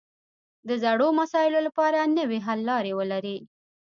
د زړو مسایلو لپاره نوې حل لارې ولري